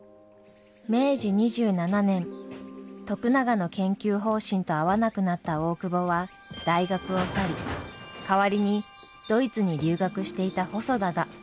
明治２７年徳永の研究方針と合わなくなった大窪は大学を去り代わりにドイツに留学していた細田が助教授に就任しました。